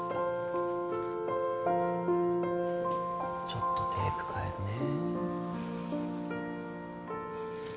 ちょっとテープ替えるね。